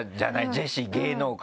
ジェシー芸能界で。